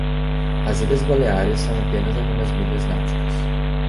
As Ilhas Baleares são apenas algumas milhas náuticas.